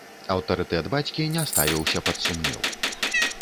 Аўтарытэт бацькі не ставіўся пад сумнеў.